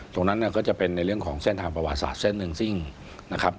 ตรงนั้นก็จะเป็นเรื่องของเส้นทางประวาสาธิ์เส้นหนึ่งนะครับ